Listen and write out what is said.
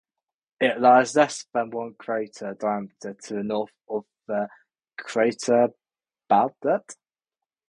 It lies less than one crater diameter to the north of the crater Baldet.